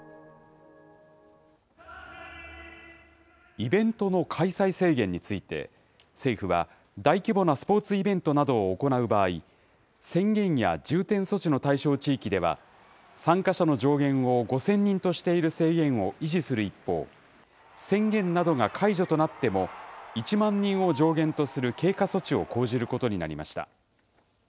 イベントの開催制限について、政府は、大規模なスポーツイベントなどを行う場合、宣言や重点措置の対象地域では、参加者の上限を５０００人としている制限を維持する一方、宣言などが解除となっても、１万人を上限とする経過措置を講じることになりました。